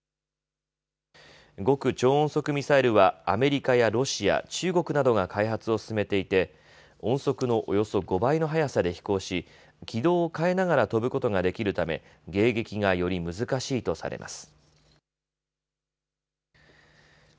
極超音速ミサイルはアメリカやロシア、中国などが開発を進めていて音速のおよそ５倍の速さで飛行し、軌道を変えながら飛ぶことができるため迎撃がより難しいとされます。